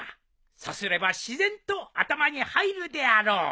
さすれば自然と頭に入るであろう。